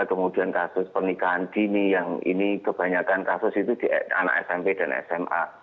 kemudian kasus pernikahan dini yang ini kebanyakan kasus itu di anak smp dan sma